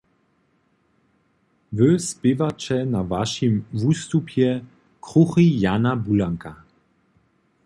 Wy spěwaće na wašim wustupje kruchi Jana Bulanka.